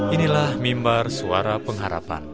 inilah mimbar suara pengharapan